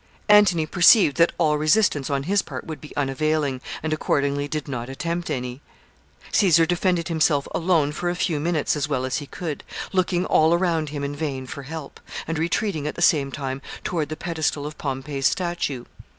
Antony perceived that all resistance on his part would be unavailing, and accordingly did not attempt any. Caesar defended himself alone for a few minutes as well as he could, looking all around him in vain for help, and retreating at the same time toward the pedestal of Pompey's statue.